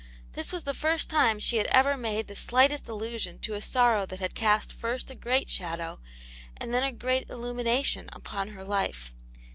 This was the first time she had ever made the slightest allusion to a sorrow that had cast first a great shadow and then a great illumination upon her life.